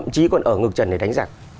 chứ còn ở ngược trần để đánh giặc